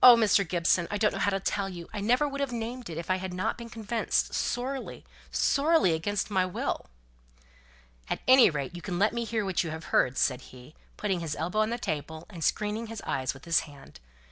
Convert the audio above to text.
Mr. Gibson, I don't know how to tell you. I never would have named it, if I had not been convinced, sorely, sorely against my will." "At any rate, you can let me hear what you've heard," said he, putting his elbow on the table, and screening his eyes with his hand.